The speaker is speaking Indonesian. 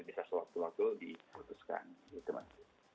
bisa suatu suatu diputuskan gitu mas